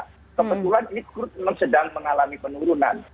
kebetulan ini memang sedang mengalami penurunan